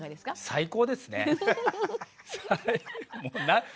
最高ですね。